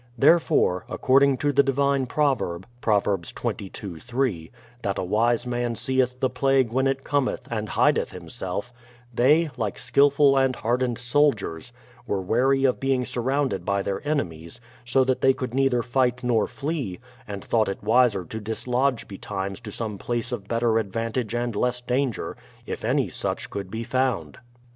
Therefore, ac cording to the divine proverb (Prov. x.xii, 3), that a wise man seeth the plague when it cometh, and hideth himself; they, like skillful and hardened soldiers, were wary of being surrounded by their enemies, so that they could neither fight not flee, and thought it wiser to dislodge betimes to some place of better advantage and less danger, if any such could be found.